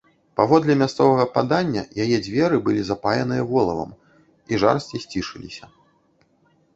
Паводле мясцовага падання, яе дзверы былі запаяныя волавам, і жарсці сцішыліся.